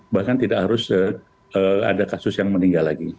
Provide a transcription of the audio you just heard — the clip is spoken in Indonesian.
bahkan tidak harus ada kasus yang meninggal lagi